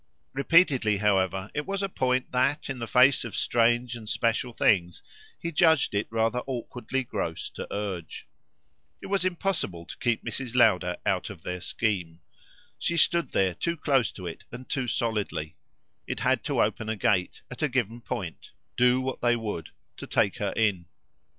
Repeatedly, however, it was a point that, in the face of strange and special things, he judged it rather awkwardly gross to urge. It was impossible to keep Mrs. Lowder out of their scheme. She stood there too close to it and too solidly; it had to open a gate, at a given point, do what they would, to take her in.